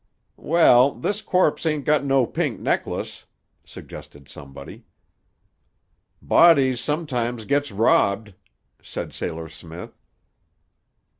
"Well, this corpse ain't got no pink necklace," suggested somebody. "Bodies sometimes gets robbed," said Sailor Smith.